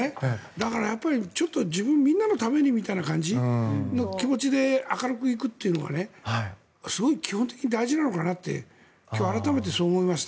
だから、自分、みんなのためにみたいな感じの気持ちで明るくいくというのは基本的に大事なのかなって今日、改めてそう思いました。